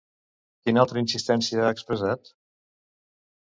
Quina altra insistència ha expressat?